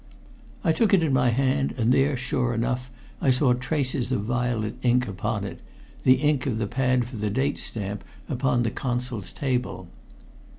I took it in my hand, and there, sure enough, I saw traces of violet ink upon it the ink of the pad for the date stamp upon the Consul's table.